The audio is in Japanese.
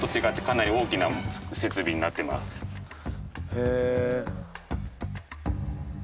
へえ！